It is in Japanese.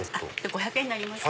５００円になります。